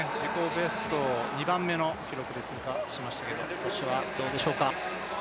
ベスト２番目の記録で通過しましたが、今年はどうでしょうか。